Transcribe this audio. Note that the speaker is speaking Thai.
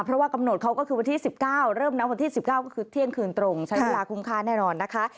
เพราะว่ากำเนาทเขาก็คือวันที่๑๙แม่งแม่งแม่งก็คือเที่ยงคืนตรงชานิดละคุมค้านแน่นอนนะคะ